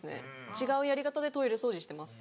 違うやり方でトイレ掃除してます。